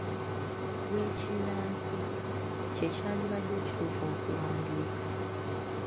W’ekinnansi' kye kyandibadde ekituufu okuwandiika.